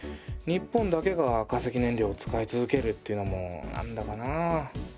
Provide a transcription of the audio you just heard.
日本だけが化石燃料を使い続けるっていうのもなんだかなぁ。